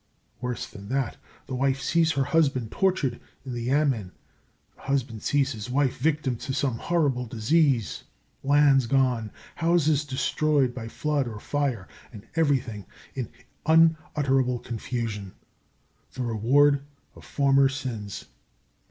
Worse than that, the wife sees her husband tortured in the yamên; the husband sees his wife victim to some horrible disease, lands gone, houses destroyed by flood or fire, and everything in unutterable confusion the reward of former sins.